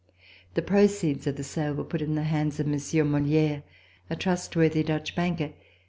The proceeds of the sale were put in the hands of Monsieur Moliere, a trustworthy Dutch banker.